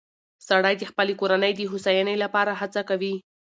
سړی د خپلې کورنۍ د هوساینې لپاره هڅه کوي